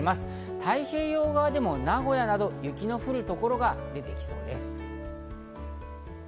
太平洋側でも名古屋など雪の降る所が出てきそうです。